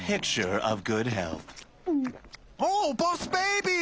おボス・ベイビー！